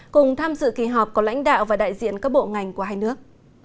cùng tham dự kỳ họp có lãnh đạo và đại diện các bộ ngành của hai nước